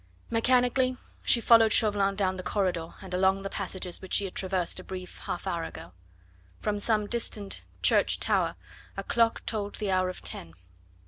Mechanically she followed Chauvelin down the corridor and along the passages which she had traversed a brief half hour ago. From some distant church tower a clock tolled the hour of ten.